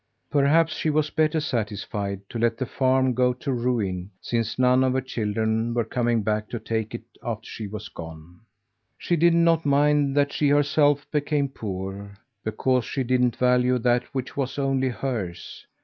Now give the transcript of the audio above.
Perhaps she was better satisfied to let the farm go to ruin, since none of her children were coming back to take it after she was gone. She did not mind that she herself became poor, because she didn't value that which was only hers.